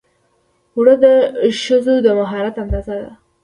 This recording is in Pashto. اوړه د ښځو د مهارت اندازه ده